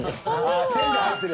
線が入ってる。